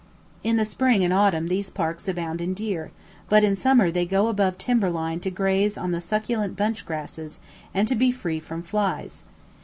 In the spring and autumn these parks abound in deer; but in summer they go above timber line to graze on the succulent bunch grasses and to be free from flies.